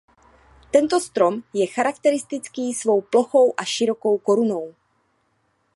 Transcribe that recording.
Tento strom je charakteristický svou plochou a širokou korunou.